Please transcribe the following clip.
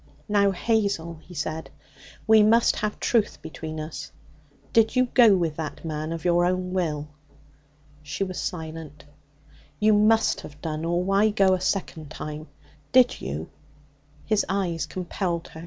'Now, Hazel,' he said, 'we must have truth between us. Did you go with that man of your own will?' She was silent. 'You must have done, or why go a second time? Did you?' His eyes compelled her.